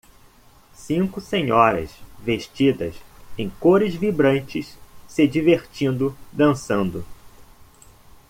Cinco senhoras vestidas em cores vibrantes se divertindo dançando.